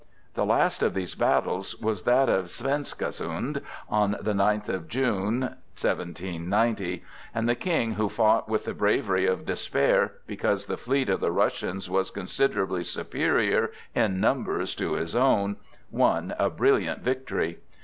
The last of these battles was that of Swenskasund on the ninth of July, 1790; and the King, who fought with the bravery of despair because the fleet of the Russians was considerably superior in numbers to his own, won a brilliant victory.